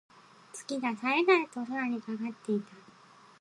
月が冴え冴えと空にかかっていた。